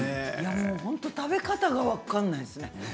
食べ方が分からないですね。